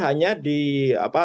hanya di apa